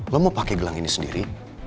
lo mau pakai gelang ini sendiri